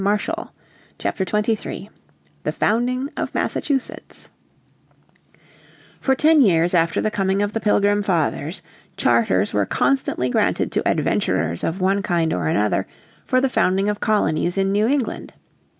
__________ Chapter 23 The Founding of Massachusetts For ten years after the coming of the Pilgrim Fathers charters were constantly granted to "adventurers" of one kind or another for the founding of colonies in New England.